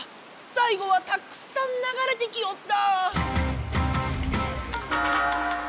最後はたくさんながれてきおった！